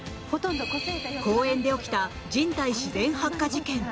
公園で起きた人体自然発火事件。